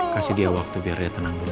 kasih dia waktu biar dia tenang dulu